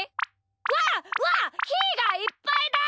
うわうわひーがいっぱいだ！